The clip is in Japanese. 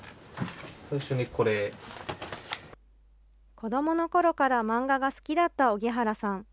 子どものころから漫画が好きだった荻原さん。